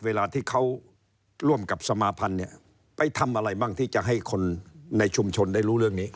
เวลาที่เขาร่วมกับสมาพันธ์เนี่ยไปทำอะไรบ้างที่จะให้คนในชุมชนได้รู้เรื่องนี้